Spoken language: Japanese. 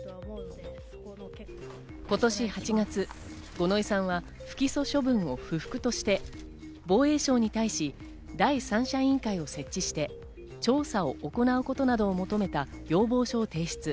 今年８月、五ノ井さんは不起訴処分を不服として防衛省に対し、第三者委員会を設置して、調査を行うことなどを求めた要望書を提出。